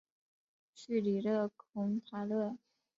叙里勒孔塔勒。